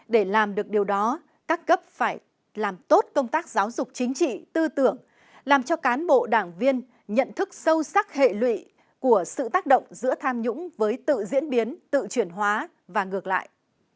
để làm được điều đó các cấp phải làm tốt công tác giáo dục chính trị tư tưởng làm cho cán bộ đảng viên nhận thức sâu sắc hệ lụy của sự tác động giữa tham nhũng với tự diễn biến tự chuyển hóa và ngược lại